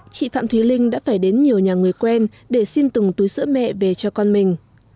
chị phạm thúy linh đã phải đến nhiều nhà người quen để xin từng túi sữa mẹ về cho con mình